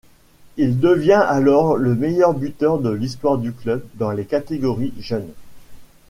Il devient alors le meilleur buteur de l’histoire du club dans les catégories jeunes.